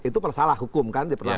itu persalah hukum kan diperlakukan